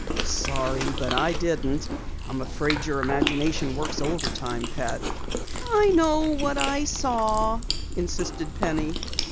"Sorry, but I didn't. I'm afraid your imagination works overtime, Pet." "I know what I saw," insisted Penny.